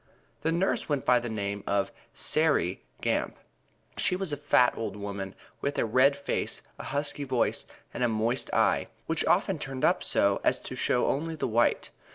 This nurse went by the name of "Sairey" Gamp. She was a fat old woman, with a red face, a husky voice and a moist eye, which often turned up so as to show only the white.